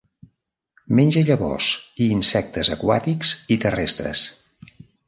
Menja llavors i insectes aquàtics i terrestres.